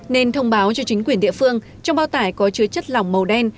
nên thông báo cho chính quyền địa phương trong bao tải có chứa chất lỏng màu đen